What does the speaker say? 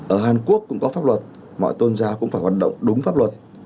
ở hàn quốc cũng có pháp luật mọi tôn giáo cũng phải hoạt động đúng pháp luật